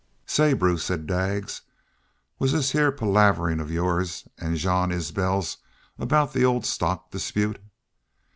"Say, Bruce," said Daggs, "was this heah palaverin' of yours an' Jean Isbel's aboot the old stock dispute?